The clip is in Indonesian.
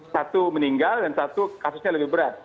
satu meninggal dan satu kasusnya lebih berat